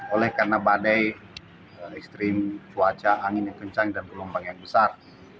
oleh karena badai ekstrim cuaca angin yang kencang dan gelombang yang besar